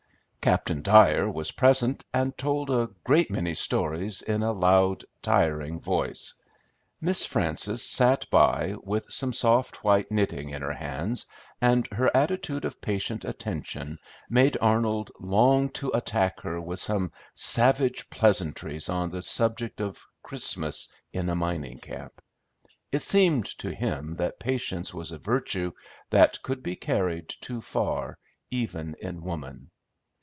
Captain Dyer was present, and told a great many stories in a loud, tiring voice. Miss Frances sat by with some soft white knitting in her hands, and her attitude of patient attention made Arnold long to attack her with some savage pleasantries on the subject of Christmas in a mining camp; it seemed to him that patience was a virtue that could be carried too far, even in woman.